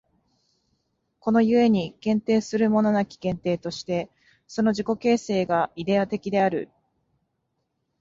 この故に限定するものなき限定として、その自己形成がイデヤ的である。